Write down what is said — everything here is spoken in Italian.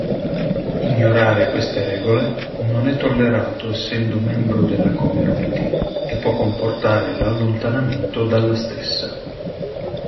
Ignorare queste regole non è tollerato essendo membro della community e può comportare l'allontanamento dalla stessa.